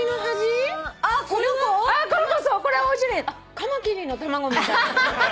カマキリの卵みたい。